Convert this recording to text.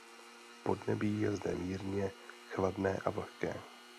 Podnebí je zde mírně chladné a vlhké.